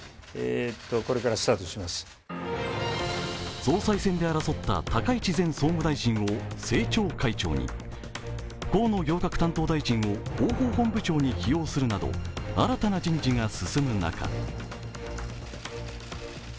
総裁選で争った高市前総務大臣を政調会長に、河野行革担当大臣を広報本部長に起用するなど新たな人事が進む中